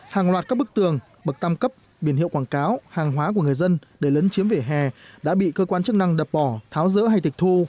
hàng loạt các bức tường bậc tam cấp biển hiệu quảng cáo hàng hóa của người dân để lấn chiếm vỉa hè đã bị cơ quan chức năng đập bỏ tháo rỡ hay tịch thu